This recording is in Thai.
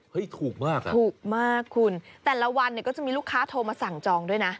ถูกมากอ่ะถูกมากคุณแต่ละวันเนี่ยก็จะมีลูกค้าโทรมาสั่งจองด้วยนะ